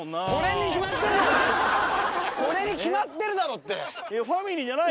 これに決まってるだろって！